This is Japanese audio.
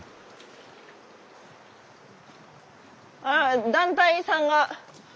ああ団体さんが。